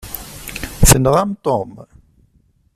Tenɣam Tom?